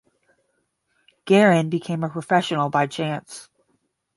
Garin became a professional by chance.